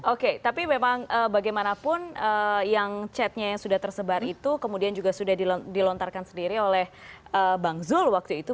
oke tapi memang bagaimanapun yang chatnya yang sudah tersebar itu kemudian juga sudah dilontarkan sendiri oleh bang zul waktu itu